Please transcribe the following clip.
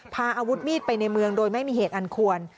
พาอาวุธมีดไปในเมืองโดยไม่มีเหตุอันควร